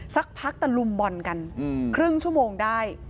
สักพักตะลุมบอลกันครึ่งชั่วโมงได้